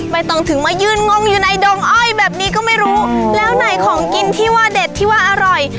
ไม่ต้องถึงมายืนงงอยู่ในดงอ้อยแบบนี้ก็ไม่รู้แล้วไหนของกินที่ว่าเด็ดที่ว่าอร่อย